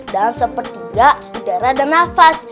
dan sepertiga udara dan nafas